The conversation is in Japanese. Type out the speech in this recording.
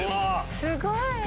すごい。